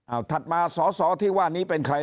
เอาถัดมาสอสอที่ว่านี้เป็นใคร